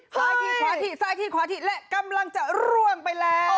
ทีขวาถี่ซ้ายทีขวาถี่และกำลังจะร่วงไปแล้ว